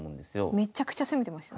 めちゃくちゃ攻めてましたね。